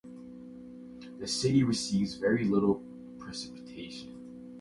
The city receives very little precipitation.